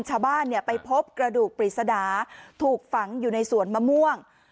ชาวบ้านไปพบกระดูกปริศนาถูกฝังอยู่ในสวนมะม่วง